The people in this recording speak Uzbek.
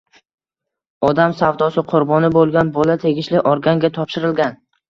Odam savdosi qurboni bo‘lgan bola tegishli organga topshirilgan